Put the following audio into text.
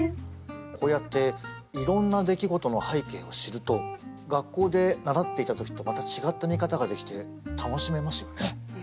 こうやっていろんな出来事の背景を知ると学校で習っていた時とまた違った見方ができて楽しめますよね。